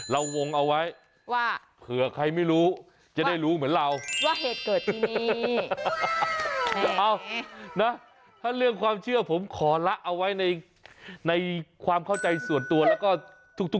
แล้วมันคงจะโตขึ้นเดี๋ยวอันนี้ไม่ใช่งู